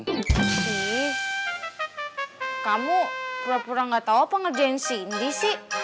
terus kamu pura pura gak tau apa ngerjain cindy sih